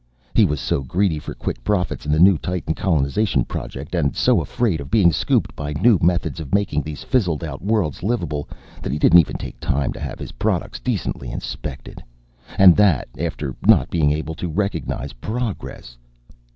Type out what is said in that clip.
He was so greedy for quick profits in the new Titan colonization project, and so afraid of being scooped by new methods of making these fizzled out worlds livable, that he didn't even take time to have his products decently inspected! And that, after not being able to recognize progress!